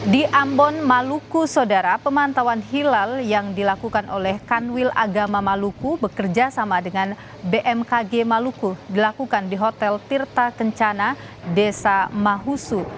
di ambon maluku sodara pemantauan hilal yang dilakukan oleh kanwil agama maluku bekerja sama dengan bmkg maluku dilakukan di hotel tirta kencana desa mahusu